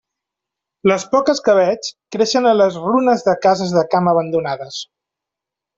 Les poques que veig creixen a les runes de cases de camp abandonades.